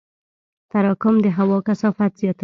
تراکم د هوا کثافت زیاتوي.